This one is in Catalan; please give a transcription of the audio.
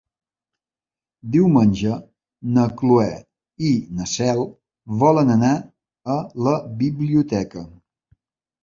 Diumenge na Cloè i na Cel volen anar a la biblioteca.